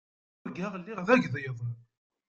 Urgaɣ lliɣ d agḍiḍ.